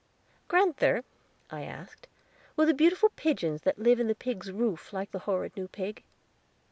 "Grand'ther," I asked, "will the beautiful pigeons that live in the pig's roof like the horrid new pig?"